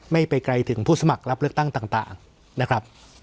ไม่ไปไกลถึงผู้สมัครรับเลือกตั้งต่างนะครับ